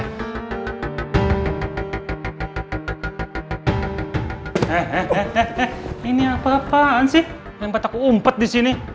eh eh eh eh ini apa apaan sih yang batak umpet disini